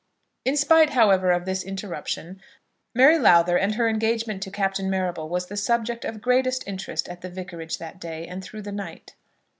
In spite, however, of this interruption, Mary Lowther and her engagement to Captain Marrable was the subject of greatest interest at the Vicarage that day and through the night.